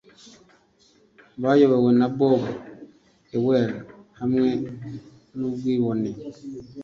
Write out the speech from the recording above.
Bayobowe na Bob Ewell hamwe n'ubwibone